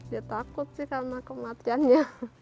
ya takut sih karena kematiannya